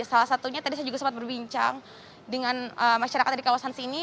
salah satunya tadi saya juga sempat berbincang dengan masyarakat di kawasan sini